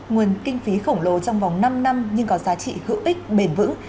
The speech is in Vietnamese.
nguồn kinh phí khổng lồ trong vòng năm năm nhưng có giá trị hữu ích bền vững